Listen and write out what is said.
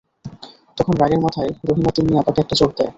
তখন রাগের মাথায় রহিমা তিন্নি আপাকে একটা চড় দেয়।